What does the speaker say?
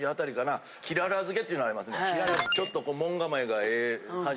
ちょっと。